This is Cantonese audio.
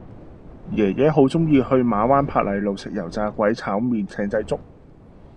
爺爺好鍾意去馬灣珀麗路食油炸鬼炒麵艇仔粥